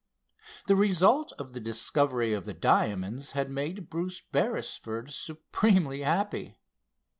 The result of the discovery of the diamonds had made Bruce Beresford supremely happy.